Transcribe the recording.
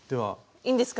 いいんですか？